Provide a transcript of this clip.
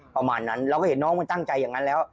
ประมาณนั้นเราก็เห็นน้องมันตั้งใจอย่างนั้นแล้ว